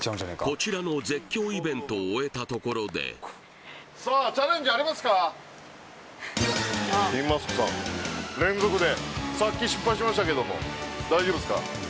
こちらの絶叫イベントを終えたところで金マスクさん連続でさっき失敗しましたけども大丈夫っすか？